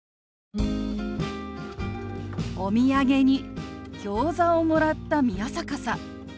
お土産にギョーザをもらった宮坂さん。